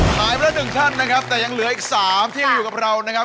หายไปแล้วหนึ่งท่านนะครับแต่ยังเหลืออีก๓ที่ยังอยู่กับเรานะครับ